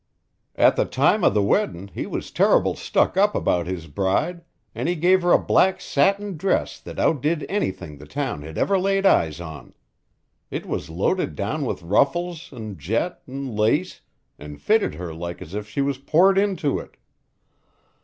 At the time of the weddin' he was terrible stuck up about his bride, an' he gave her a black satin dress that outdid anything the town had ever laid eyes on. It was loaded down with ruffles, an' jet, an' lace, an' fitted her like as if she was poured into it.